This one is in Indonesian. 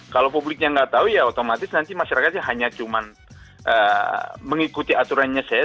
kalau publiknya nggak tahu ya otomatis nanti masyarakatnya hanya cuma mengikuti aturannya saja